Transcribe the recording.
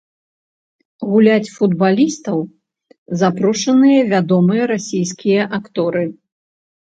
Гуляць футбалістаў запрошаныя вядомыя расійскія акторы.